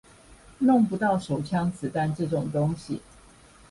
弄不到手槍子彈這種東西